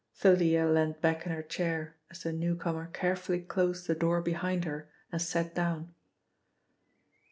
Thalia leant back in her chair as the newcomer carefully closed the door behind her and sat down.